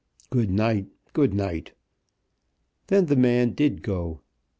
"Good night, good night!" Then the man did go.